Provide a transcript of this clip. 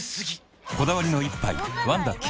こだわりの一杯「ワンダ極」